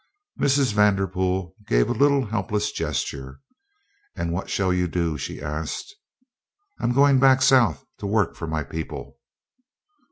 '" Mrs. Vanderpool gave a little helpless gesture. "And what shall you do?" she asked. "I'm going back South to work for my people."